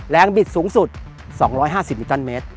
แรงบิดสูงสุด๒๕๐มิตรเมตร